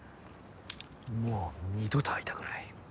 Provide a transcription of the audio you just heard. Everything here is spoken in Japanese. もう二度と会いたくない。